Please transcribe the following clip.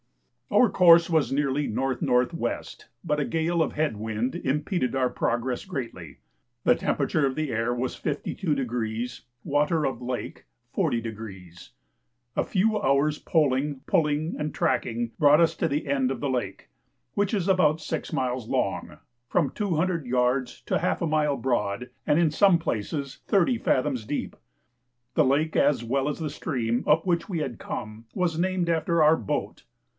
Our course was nearly N.N.W., but a gale of head wind impeded our progress greatly. The temperature of the air was 52°; water of lake 40°. A few hours' poling, pulling, and tracking brought us to the end of the lake, which is about six miles long, from two hundred yards to half a mile broad, and in some places thirty fathoms deep. The lake, as well as the stream up which we had come, was named after our boat.